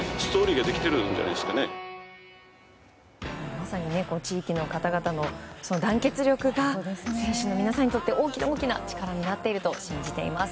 まさに地域の方々の団結力が選手の皆さんにとって大きな力になっていると信じています。